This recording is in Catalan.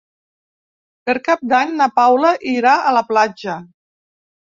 Per Cap d'Any na Paula irà a la platja.